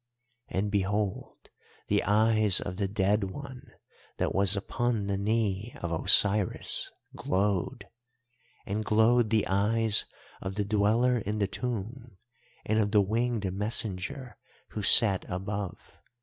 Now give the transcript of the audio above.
"And behold the eyes of the Dead One that was upon the knee of Osiris glowed, and glowed the eyes of the Dweller in the Tomb, and of the winged Messenger who sat above.